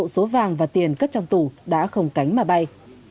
số vàng và tiền cất trong tủ đã không cánh mà bay